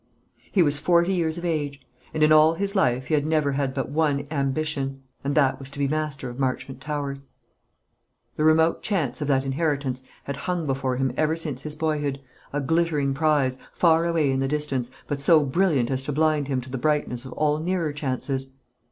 He was forty years of age; and in all his life he had never had but one ambition, and that was to be master of Marchmont Towers. The remote chance of that inheritance had hung before him ever since his boyhood, a glittering prize, far away in the distance, but so brilliant as to blind him to the brightness of all nearer chances.